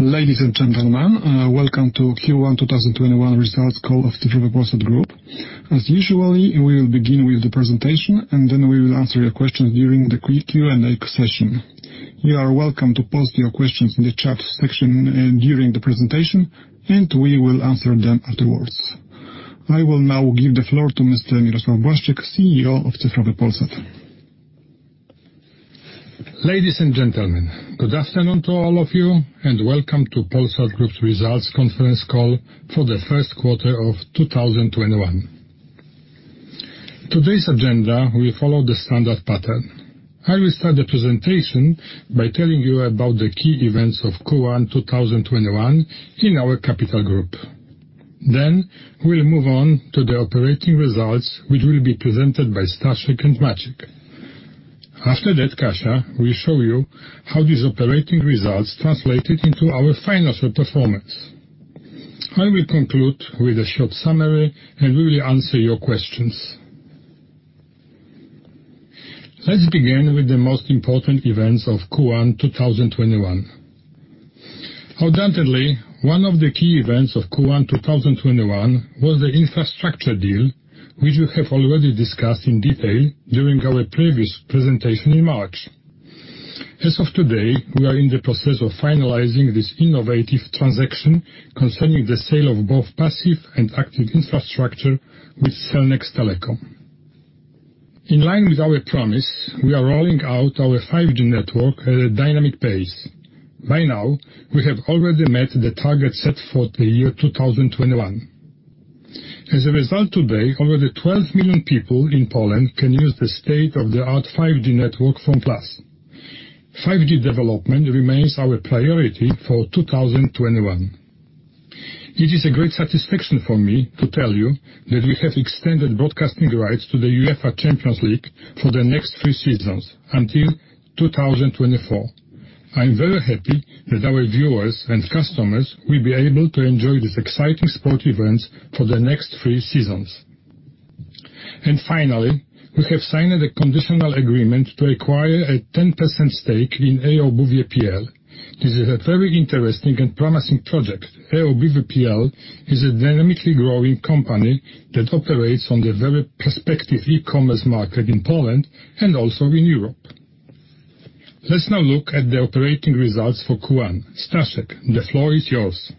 Ladies and gentlemen, welcome to Q1 2021 results call of the Cyfrowy Polsat Group. As usual, we will begin with the presentation, and then we will answer your questions during the Q&A session. You are welcome to post your questions in the chat section during the presentation, and we will answer them afterwards. I will now give the floor to Mr. Mirosław Błaszczyk, Chief Executive Officer of Cyfrowy Polsat. Ladies and gentlemen, good afternoon to all of you, and welcome to Polsat Group's results conference call for the first quarter of 2021. Today's agenda, we follow the standard pattern. I will start the presentation by telling you about the key events of Q1 2021 in our Capital Group. We'll move on to the operating results, which will be presented by Staszek and Maciej. After that, Kasia will show you how these operating results translated into our financial performance. I will conclude with a short summary, and we will answer your questions. Let's begin with the most important events of Q1 2021. Undoubtedly, one of the key events of Q1 2021 was the infrastructure deal, which we have already discussed in detail during our previous presentation in March. As of today, we are in the process of finalizing this innovative transaction concerning the sale of both passive and active infrastructure with Cellnex Telecom. In line with our promise, we are rolling out our 5G network at a dynamic pace. By now, we have already met the target set for the year 2021. As a result, today, over 12 million people in Poland can use the state-of-the-art 5G network from Plus. 5G development remains our priority for 2021. It is a great satisfaction for me to tell you that we have extended broadcasting rights to the UEFA Champions League for the next three seasons until 2024. I am very happy that our viewers and customers will be able to enjoy these exciting sport events for the next three seasons. Finally, we have signed a conditional agreement to acquire a 10% stake in eobuwie.pl. This is a very interesting and promising project. eobuwie.pl Is a dynamically growing company that operates on the very prospective e-commerce market in Poland and also in Europe. Let's now look at the operating results for Q1. Staszek, the floor is yours.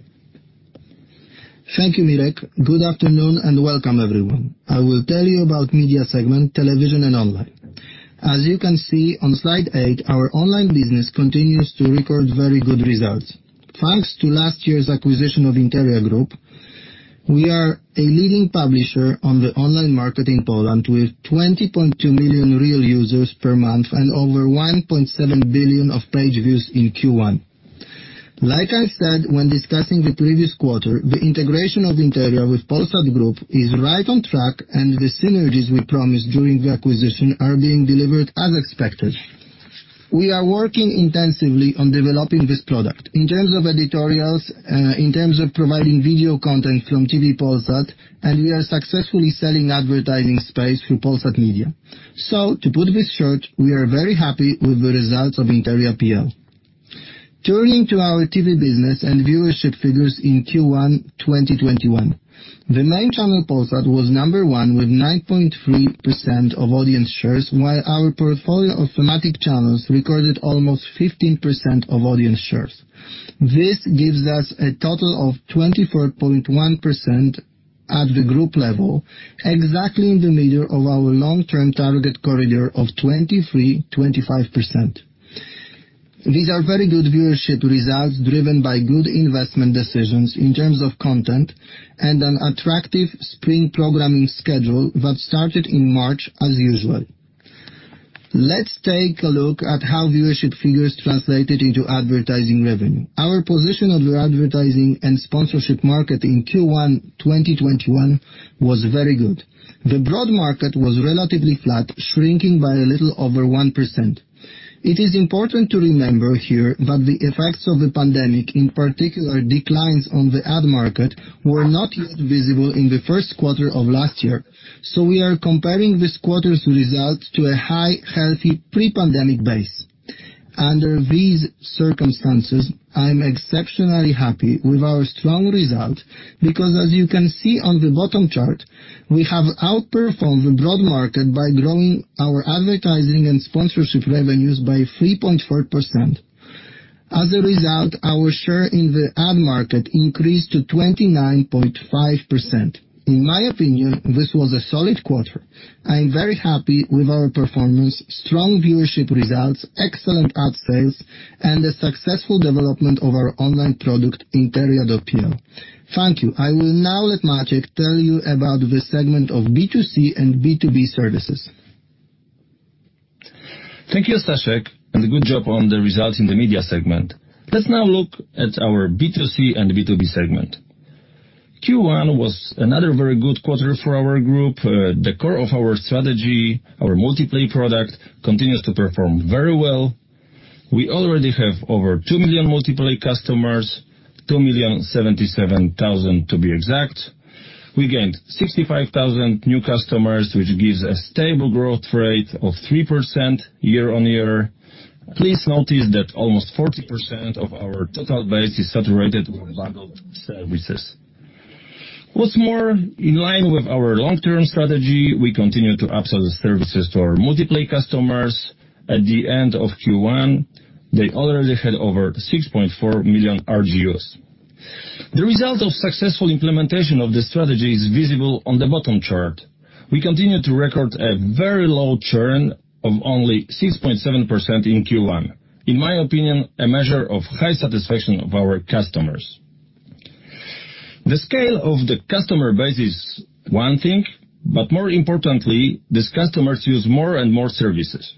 Thank you, Mirek. Good afternoon, and welcome everyone. I will tell you about media segment television and online. As you can see on slide eight, our online business continues to record very good results. Thanks to last year's acquisition of Interia Group, we are a leading publisher on the online market in Poland with 20.2 million real users per month and over 1.7 billion of page views in Q1. Like I said when discussing the previous quarter, the integration of Interia with Polsat Group is right on track, and the synergies we promised during the acquisition are being delivered as expected. We are working intensively on developing this product in terms of editorials, in terms of providing video content from TV Polsat, and we are successfully selling advertising space through Polsat Media. To put this short, we are very happy with the results of Interia.pl. Turning to our TV business and viewership figures in Q1 2021. The main channel, Polsat, was number one with 9.3% of audience shares, while our portfolio of thematic channels recorded almost 15% of audience shares. This gives us a total of 24.1% at the group level, exactly in the middle of our long-term target corridor of 23%-25%. These are very good viewership results driven by good investment decisions in terms of content and an attractive spring programming schedule that started in March as usual. Let's take a look at how viewership figures translated into advertising revenue. Our position on the advertising and sponsorship market in Q1 2021 was very good. The broad market was relatively flat, shrinking by a little over 1%. It is important to remember here that the effects of the pandemic, in particular declines on the ad market, were not yet visible in the first quarter of last year. We are comparing this quarter's results to a high, healthy pre-pandemic base. Under these circumstances, I'm exceptionally happy with our strong result because as you can see on the bottom chart, we have outperformed the broad market by growing our advertising and sponsorship revenues by 3.4%. As a result, our share in the ad market increased to 29.5%. In my opinion, this was a solid quarter. I am very happy with our performance, strong viewership results, excellent ad sales, and the successful development of our online product, Interia.pl. Thank you. I will now let Maciej tell you about the segment of B2C and B2B services. Thank you, Staszek, and good job on the results in the media segment. Let's now look at our B2C and B2B segment. Q1 was another very good quarter for our Group. The core of our strategy, our multiplay product, continues to perform very well. We already have over two million multiplay customers, 2,077,000 to be exact. We gained 65,000 new customers, which gives a stable growth rate of 3% year-over-year. Please notice that almost 40% of our total base is saturated with bundled services. What's more, in line with our long-term strategy, we continue to upsell the services to our multiplay customers. At the end of Q1, they already had over 6.4 million RGUs. The result of successful implementation of this strategy is visible on the bottom chart. We continue to record a very low churn of only 6.7% in Q1, in my opinion, a measure of high satisfaction of our customers. The scale of the customer base is one thing, but more importantly, these customers use more and more services.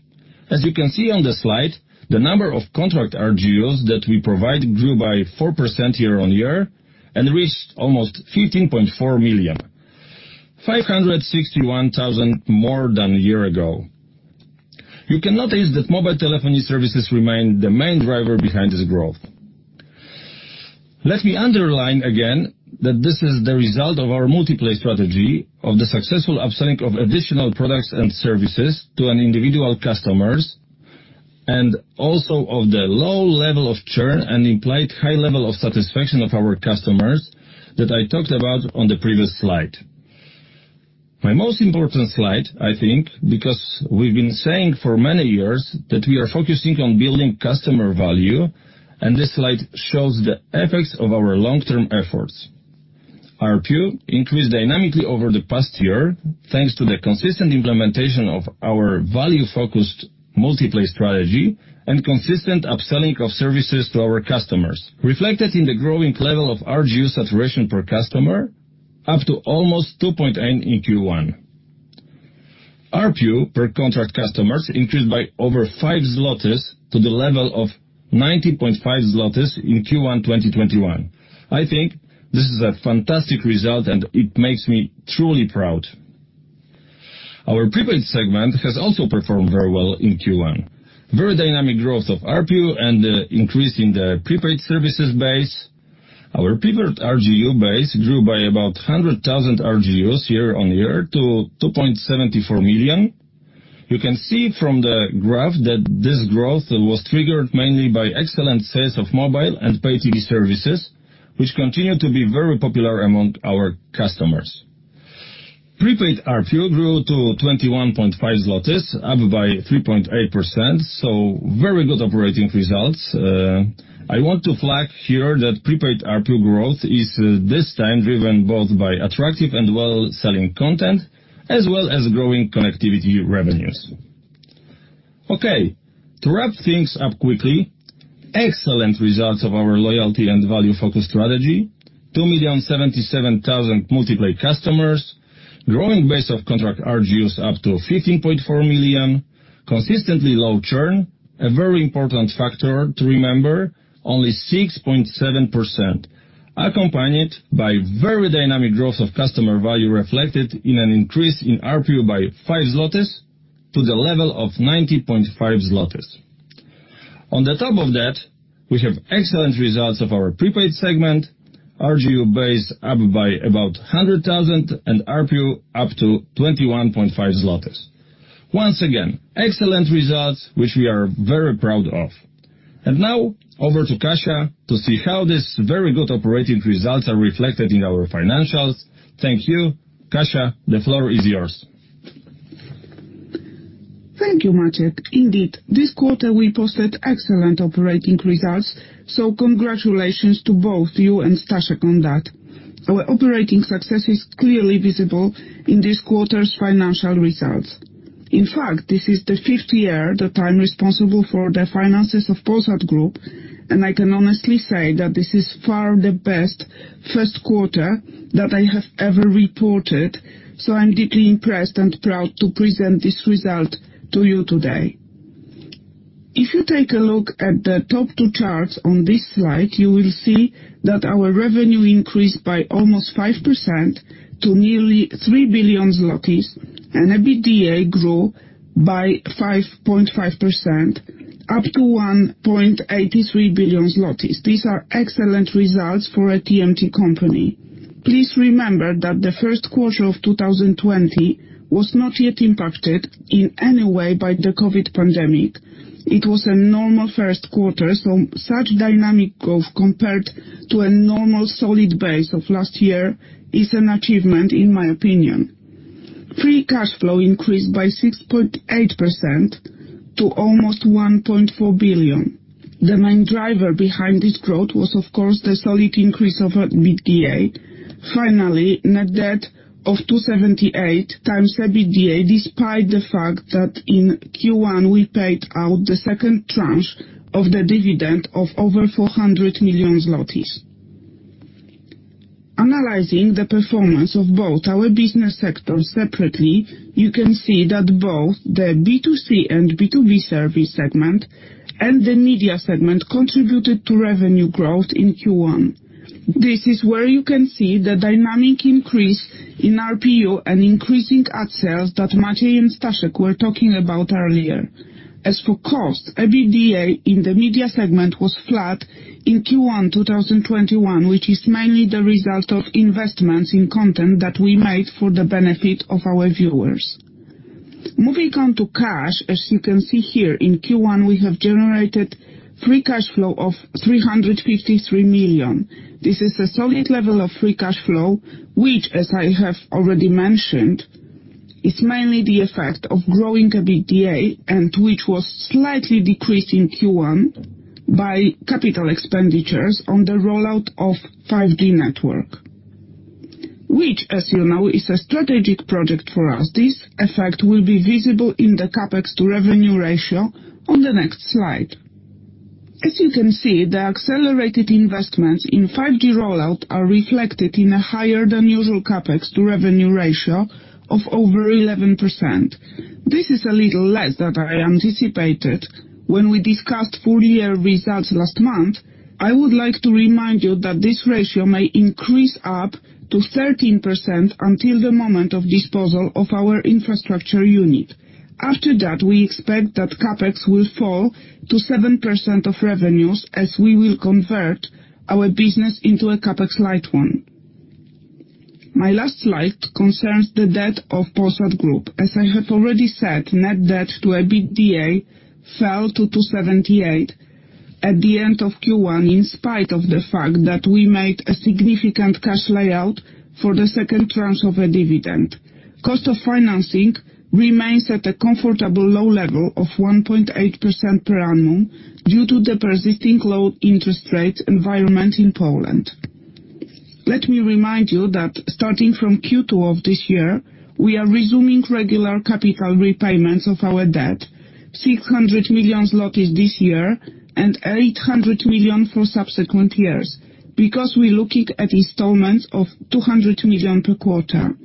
As you can see on the slide, the number of contract RGUs that we provide grew by 4% year-on-year and reached almost 15.4 million, 561,000 more than a year ago. You can notice that mobile telephony services remain the main driver behind this growth. Let me underline again that this is the result of our Multiplay strategy, of the successful upselling of additional products and services to an individual customers, and also of the low level of churn and implied high level of satisfaction of our customers that I talked about on the previous slide. My most important slide, I think, because we've been saying for many years that we are focusing on building customer value, and this slide shows the effects of our long-term efforts. ARPU increased dynamically over the past year, thanks to the consistent implementation of our value-focused multiplay strategy and consistent upselling of services to our customers, reflected in the growing level of RGU saturation per customer, up to almost 2.8 in Q1. ARPU per contract customers increased by over 5 zlotys to the level of 90.5 zlotys In Q1 2021. I think this is a fantastic result, and it makes me truly proud. Our prepaid segment has also performed very well in Q1. Very dynamic growth of ARPU and the increase in the prepaid services base. Our prepaid RGU base grew by about 100,000 RGUs year-on-year to 2.74 million. You can see from the graph that this growth was triggered mainly by excellent sales of mobile and pay TV services, which continue to be very popular among our customers. Prepaid ARPU grew to 21.5 zlotys, up by 3.8%. Very good operating results. I want to flag here that prepaid ARPU growth is this time driven both by attractive and well-selling content, as well as growing connectivity revenues. Okay, to wrap things up quickly. Excellent results of our loyalty and value-focused strategy. 2,077,000 multiplay customers. Growing base of contract RGUs up to 15.4 million. Consistently low churn, a very important factor to remember, only 6.7%, accompanied by very dynamic growth of customer value reflected in an increase in ARPU by 5 to the level of 19.5. On the top of that, we have excellent results of our prepaid segment, RGU base up by about 100,000 and ARPU up to 21.5. Once again, excellent results, which we are very proud of. Now, over to Kasia to see how these very good operating results are reflected in our financials. Thank you. Kasia, the floor is yours. Thank you, Maciej. Indeed, this quarter, we posted excellent operating results, so congratulations to both you and Staszek on that. Our operating success is clearly visible in this quarter's financial results. In fact, this is the fifth year that I'm responsible for the finances of Polsat Group, and I can honestly say that this is far the best first quarter that I have ever reported. I'm deeply impressed and proud to present this result to you today. If you take a look at the top two charts on this slide, you will see that our revenue increased by almost 5% to nearly 3 billion zlotys and EBITDA grew by 5.5% up to 1.83 billion zlotys. These are excellent results for a TMT company. Please remember that the first quarter of 2020 was not yet impacted in any way by the COVID pandemic. It was a normal first quarter, so such dynamic growth compared to a normal solid base of last year is an achievement, in my opinion. Free cash flow increased by 6.8% to almost 1.4 billion. The main driver behind this growth was, of course, the solid increase of our EBITDA. Net debt of 2.78x EBITDA, despite the fact that in Q1, we paid out the second tranche of the dividend of over PLN 400 million. Analyzing the performance of both our business sectors separately, you can see that both the B2C and B2B service segment and the media segment contributed to revenue growth in Q1. This is where you can see the dynamic increase in ARPU and increasing ad sales that Maciej and Staszek were talking about earlier. As for cost, EBITDA in the media segment was flat in Q1 2021, which is mainly the result of investments in content that we made for the benefit of our viewers. Moving on to cash. As you can see here, in Q1 we have generated free cash flow of 353 million. This is a solid level of free cash flow, which, as I have already mentioned, is mainly the effect of growing EBITDA and which was slightly decreased in Q1 by capital expenditures on the rollout of 5G network, which, as you know, is a strategic project for us. This effect will be visible in the CapEx to revenue ratio on the next slide. As you can see, the accelerated investments in 5G rollout are reflected in a higher than usual CapEx to revenue ratio of over 11%. This is a little less than I anticipated when we discussed full year results last month. I would like to remind you that this ratio may increase up to 13% until the moment of disposal of our infrastructure unit. After that, we expect that CapEx will fall to 7% of revenues as we will convert our business into a CapEx light one. My last slide concerns the debt of Polsat Group. As I have already said, net debt to EBITDA fell to 2.78x at the end of Q1, in spite of the fact that we made a significant cash layout for the second tranche of a dividend. Cost of financing remains at a comfortable low level of 1.8% per annum due to the persisting low interest rate environment in Poland. Let me remind you that starting from Q2 of this year, we are resuming regular capital repayments of our debt, 600 million zlotys this year and 800 million for subsequent years, because we're looking at installments of 200 million per quarter.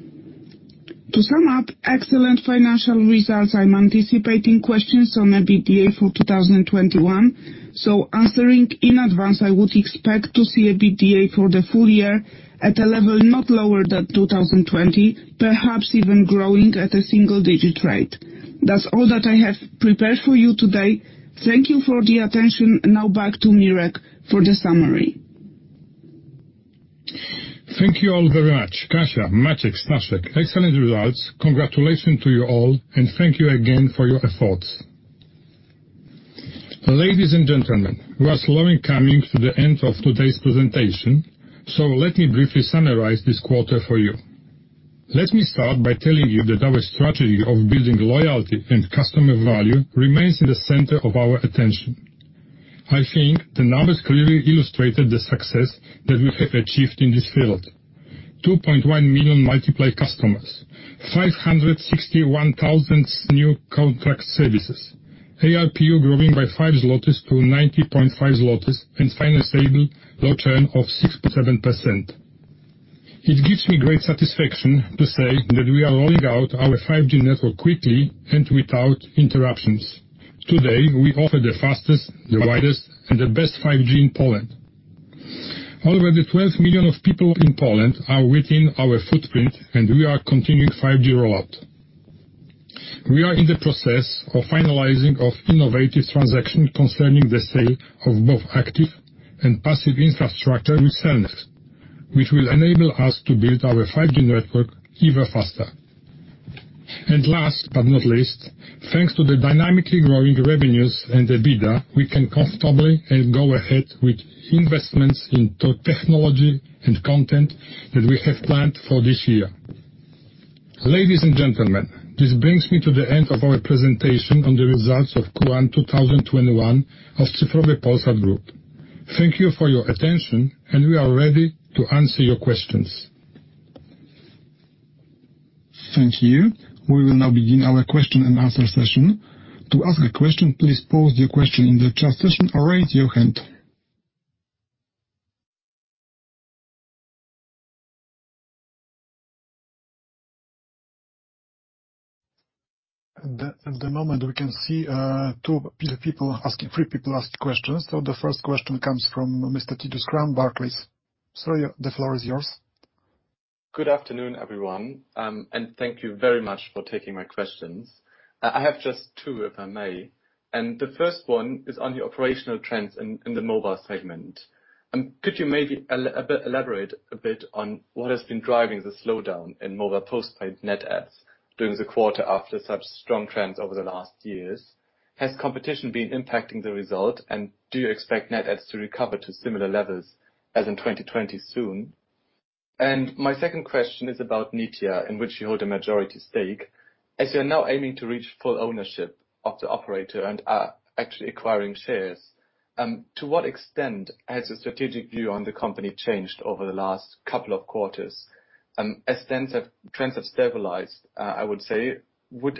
To sum up excellent financial results, I'm anticipating questions on EBITDA for 2021. Answering in advance, I would expect to see EBITDA for the full year at a level not lower than 2020, perhaps even growing at a single digit rate. That's all that I have prepared for you today. Thank you for the attention. Now back to Mirosław for the summary. Thank you all very much. Kasia, Maciej, Staszek, excellent results. Congratulations to you all, and thank you again for your efforts. Ladies and gentlemen, we are slowly coming to the end of today's presentation, so let me briefly summarize this quarter for you. Let me start by telling you that our strategy of building loyalty and customer value remains in the center of our attention. I think the numbers clearly illustrated the success that we have achieved in this field. 2.1 million multiplay customers, 561,000 new contract services, ARPU growing by 5 zlotys to 90.5 zlotys, and finally, stable low churn of 6%-7%. It gives me great satisfaction to say that we are rolling out our 5G network quickly and without interruptions. Today, we offer the fastest, the widest, and the best 5G in Poland. Already 12 million of people in Poland are within our footprint, and we are continuing 5G rollout. We are in the process of finalizing of innovative transaction concerning the sale of both active and passive infrastructure with Cellnex, which will enable us to build our 5G network even faster. Last but not least, thanks to the dynamically growing revenues and the EBITDA, we can comfortably go ahead with investments into technology and content that we have planned for this year. Ladies and gentlemen, this brings me to the end of our presentation on the results of Q1 2021 of Cyfrowy Polsat Group. Thank you for your attention, and we are ready to answer your questions. Thank you. We will now begin our question-and-answer session. To ask a question, please pose your question in the chat session or raise your hand. At the moment, we can see three people ask questions. The first question comes from Mr. Titus Krahn, Barclays. Sir, the floor is yours. Good afternoon, everyone, and thank you very much for taking my questions. I have just two, if I may. The first one is on your operational trends in the mobile segment. Could you maybe elaborate a bit on what has been driving the slowdown in mobile postpaid net adds during the quarter after such strong trends over the last years? Has competition been impacting the result, and do you expect net adds to recover to similar levels as in 2020 soon? My second question is about Netia, in which you hold a majority stake. As you are now aiming to reach full ownership of the operator and are actually acquiring shares, to what extent has the strategic view on the company changed over the last couple of quarters? As trends have stabilized, I would say,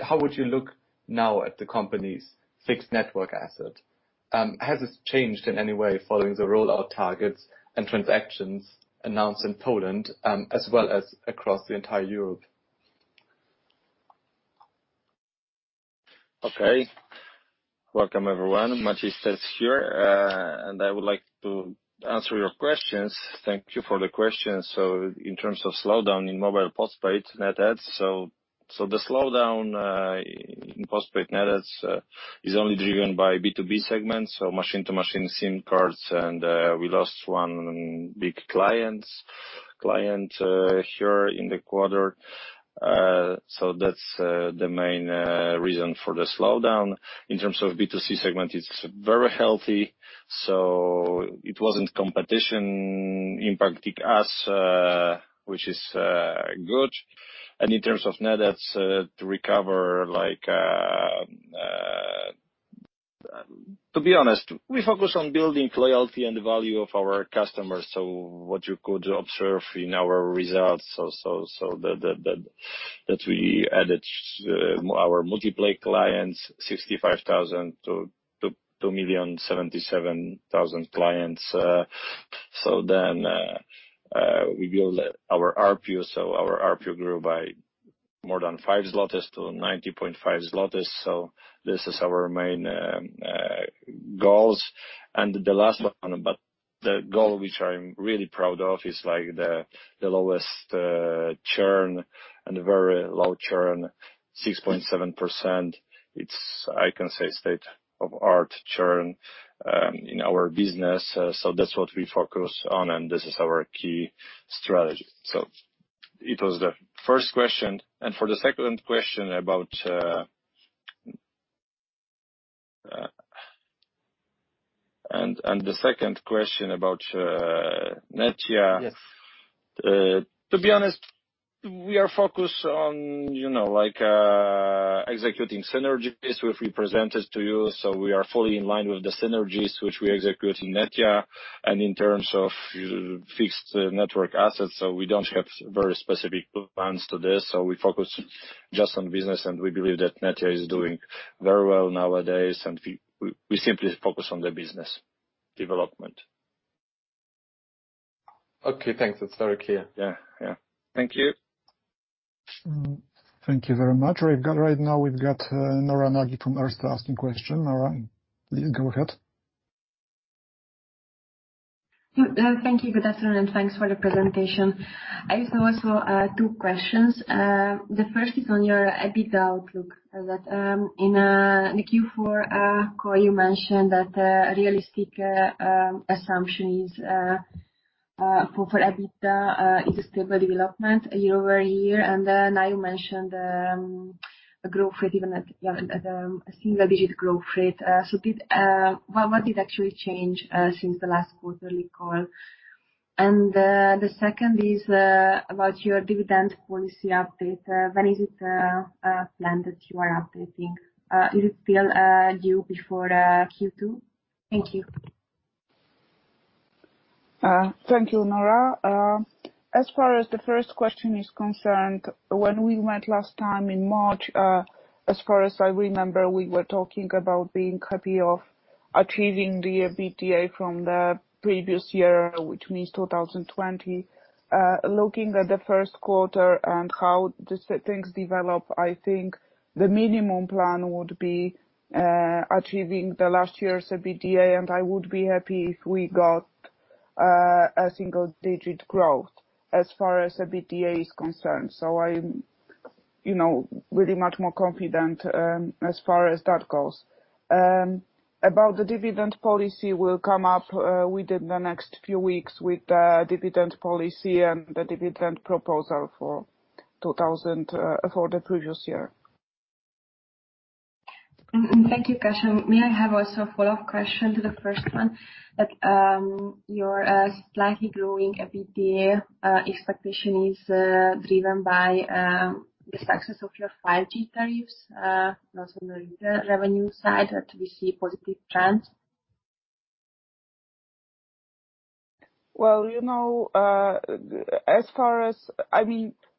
how would you look now at the company's fixed network asset? Has this changed in any way following the rollout targets and transactions announced in Poland as well as across the entire Europe? Okay. Welcome everyone. Maciej is here, and I would like to answer your questions. Thank you for the questions. In terms of slowdown in mobile postpaid net adds. The slowdown in postpaid net adds is only driven by B2B segments, machine-to-machine SIM cards, and we lost one big client here in the quarter. That's the main reason for the slowdown. In terms of B2C segment, it's very healthy. It wasn't competition impacting us, which is good. In terms of net adds, to recover. To be honest, we focus on building loyalty and value of our customers. What you could observe in our results, we added our multi-play clients, 65,000 clients to 2,077,000 clients. We build our ARPU. Our ARPU grew by more than 5 to 90.5. This is our main goals. The last one, the goal which I am really proud of is the lowest churn and very low churn, 6.7%. It's, I can say, state-of-the-art churn in our business. That's what we focus on and this is our key strategy. It was the first question. For the second question about Netia? Yes. To be honest, we are focused on executing synergies which we presented to you. We are fully in line with the synergies which we execute in Netia and in terms of fixed network assets. We don't have very specific plans to this. We focus just on business, and we believe that Netia is doing very well nowadays, and we simply focus on the business development. Okay, thanks. That's very clear. Yeah. Thank you very much. Right now we've got Nora Nagy from Erste asking question. Nora, please go ahead. Thank you. Good afternoon, thanks for the presentation. I just have also two questions. The first is on your EBITDA outlook that in the Q4 call, you mentioned that a realistic assumption for EBITDA is a stable development year-over-year. Now you mentioned a growth rate, even at a single-digit growth rate. What did actually change since the last quarterly call? The second is about your dividend policy update. When is it planned that you are updating? Is it still due before Q2? Thank you. Thank you, Nora. As far as the first question is concerned, when we met last time in March, as far as I remember, we were talking about being happy of achieving the EBITDA from the previous year, which means 2020. Looking at the first quarter and how things develop, I think the minimum plan would be achieving the last year's EBITDA, and I would be happy if we got a single-digit growth as far as EBITDA is concerned. We are really much more confident as far as that goes. About the dividend policy, we will come up within the next few weeks with the dividend policy and the dividend proposal for the previous year. Thank you, Kasia. May I have also a follow-up question to the first one? That your slightly growing EBITDA expectation is driven by the success of your 5G tariffs, and also the revenue side that we see positive trends? Well,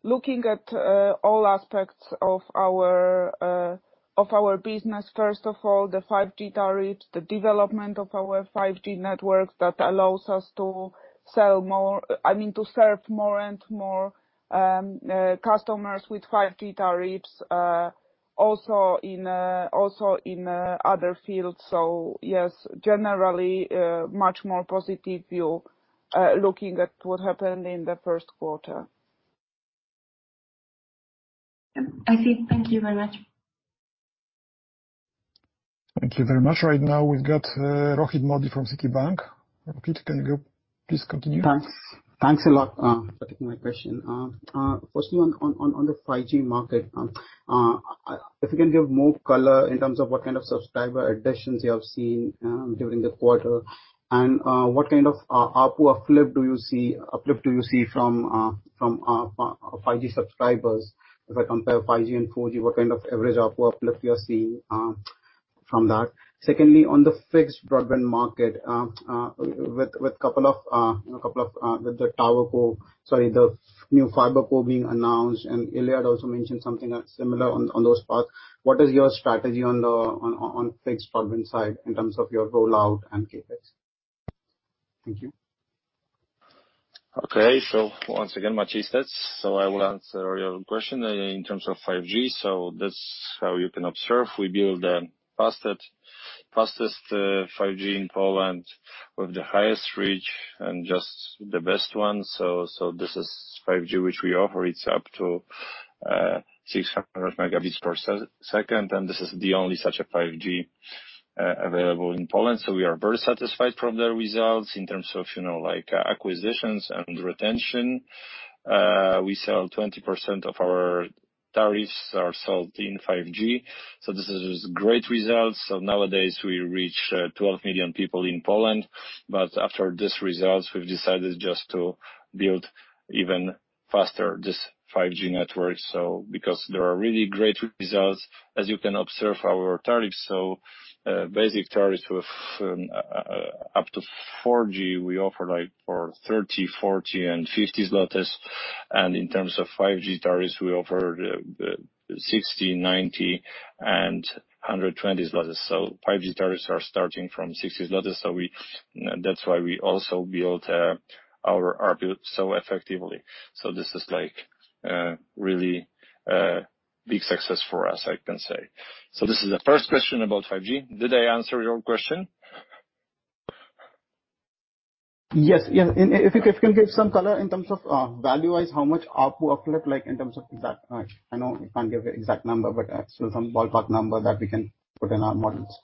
looking at all aspects of our business, first of all, the 5G tariffs, the development of our 5G network that allows us to serve more and more customers with 5G tariffs, also in other fields. Yes, generally, much more positive view looking at what happened in the first quarter. I see. Thank you very much. Thank you very much. Right now we've got Rohit Modi from Citibank. Rohit, can you please continue? Thanks. Thanks a lot for taking my question. Firstly, on the 5G market, if you can give more color in terms of what kind of subscriber additions you have seen during the quarter and what kind of ARPU uplift do you see from 5G subscribers? If I compare 5G and 4G, what kind of average ARPU uplift you are seeing from that? Secondly, on the fixed broadband market, with the new FiberCo being announced, and Iliad also mentioned something similar on those parts. What is your strategy on fixed broadband side in terms of your rollout and CapEx? Thank you. Okay. Once again, Maciej Stec. I will answer your question in terms of 5G. That's how you can observe, we build the fastest 5G in Poland with the highest reach and just the best one. This is 5G, which we offer. It's up to 600 Mbps, and this is the only such a 5G available in Poland. We are very satisfied from the results in terms of acquisitions and retention. We sell 20% of our tariffs are sold in 5G. This is great results. Nowadays we reach 12 million people in Poland. After these results, we've decided just to build even faster this 5G network, because there are really great results, as you can observe our tariffs. Basic tariffs with up to 4G, we offer for 30, 40, and 50 zlotys. In terms of 5G tariffs, we offer 60, 90, and 120 zlotys. 5G tariffs are starting from 60 zlotys. That's why we also build our ARPU so effectively. This is really a big success for us, I can say. This is the first question about 5G. Did I answer your question? Yes. If you can give some color in terms of value-wise, how much ARPU uplift in terms of exact I know you can't give the exact number, but still some ballpark number that we can put in our models?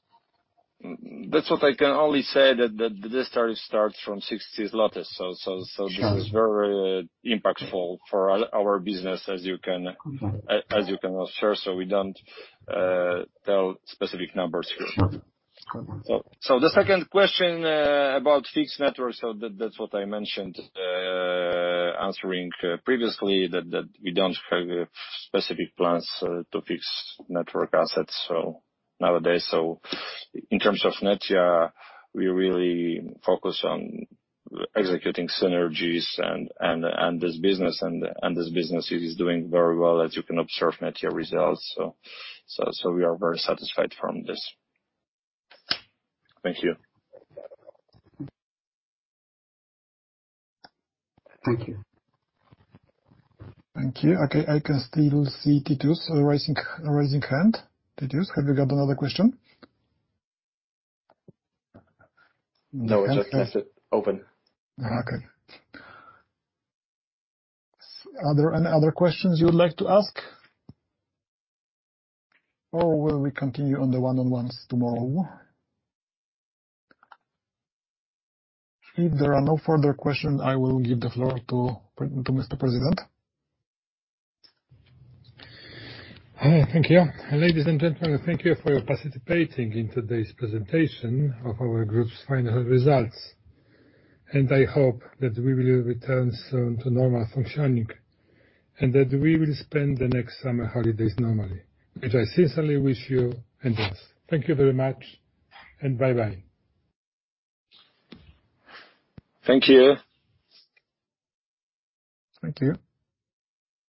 That's what I can only say that this tariff starts from 60. This is very impactful for our business as you can observe. We don't tell specific numbers here. Sure. The second question about fixed network. That's what I mentioned answering previously that we don't have specific plans to fixed network assets nowadays. In terms of Netia, we really focus on executing synergies and this business is doing very well as you can observe Netia results. We are very satisfied from this. Thank you. Thank you. Thank you. I can still see Titus raising hand. Titus, have you got another question? No, I just left it open. Okay. Are there any other questions you would like to ask or will we continue on the one-on-ones tomorrow? If there are no further questions, I will give the floor to Mr. President. Thank you. Ladies and gentlemen, thank you for participating in today's presentation of our group's final results, and I hope that we will return soon to normal functioning and that we will spend the next summer holidays normally, which I sincerely wish you and us. Thank you very much and bye-bye. Thank you. Thank you.